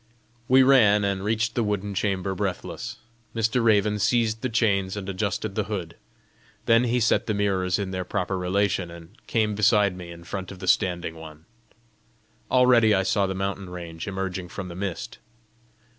We ran, and reached the wooden chamber breathless. Mr. Raven seized the chains and adjusted the hood. Then he set the mirrors in their proper relation, and came beside me in front of the standing one. Already I saw the mountain range emerging from the mist.